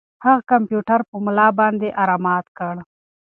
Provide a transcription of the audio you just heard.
هغه کمپیوټر په ملا باندې را مات کړ.